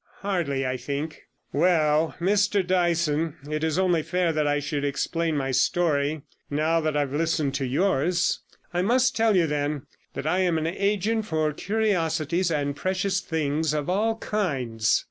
'Hardly, I think. Well, Mr Dyson, it is only fair that I should explain my story, now that I have listened to yours. I must tell you, then, that I am an agent for curiosities and precious things of all kinds.